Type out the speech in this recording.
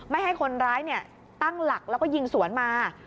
ไม่ให้คนร้ายตั้งหลักแล้วก็ยิงสวนมา